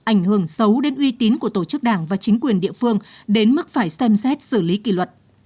ảnh hưởng xấu đến uy tín của tổ chức đảng và chính quyền địa phương đến mức phải xem xét xử lý kỷ luật